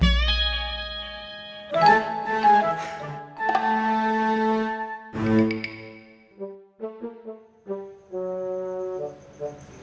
idup kok hanya bualan saja